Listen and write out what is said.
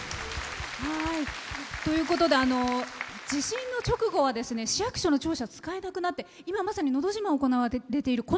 地震の直後は市役所の庁舎、使えなくなって今、まさに「のど自慢」で使われている